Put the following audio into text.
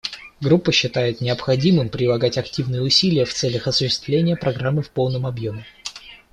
Группа считает необходимым прилагать активные усилия в целях осуществления Программы в полном объеме.